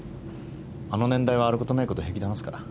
あの年代はあることないこと平気で話すから。